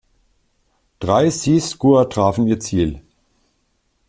Drei Sea Skua trafen ihr Ziel.